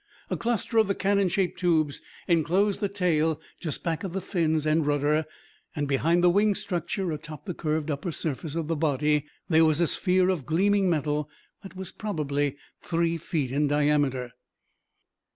A cluster of the cannon shaped tubes enclosed the tail just back of the fins and rudder and, behind the wing structure atop the curved upper surface of the body, there was a sphere of gleaming metal that was probably three feet in diameter.